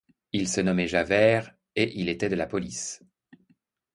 Il se nommait Javert, et il était de la police.